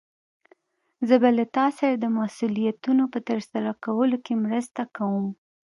زه به له تا سره د مسؤليتونو په ترسره کولو کې مرسته کوم.